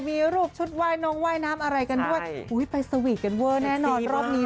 มีรูปชุดว่ายนงว่ายน้ำอะไรกันด้วยอุ้ยไปสวีทกันเวอร์แน่นอนรอบนี้